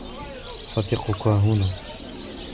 صديقك هنا.